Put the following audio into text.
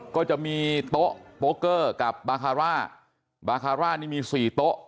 ก็จะมีโต๊ะโปเกอร์กับบาคาร่าบาคาร่านี่มี๔โต๊ะ